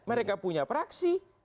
mereka punya praksi